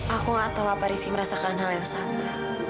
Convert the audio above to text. aku gak tahu apa rizky merasakan hal yang sama